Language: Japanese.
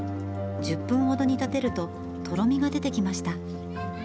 １０分ほど煮立てるととろみが出てきました。